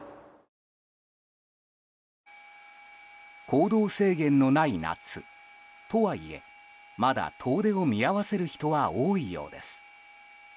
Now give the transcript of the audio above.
行動制限のない夏とはいえまだ遠出を見合わせる人は多いようです。